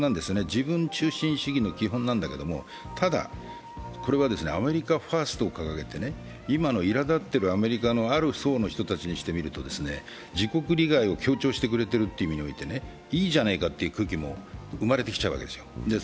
自分中心主義の典型なんですけどただこれはアメリカ・ファーストを掲げて今のいら立ってるアメリカのある層の人たちにしてみると自国利害を象徴してくれているということでいいじゃねぇかという空気も生まれてきちゃうわけです。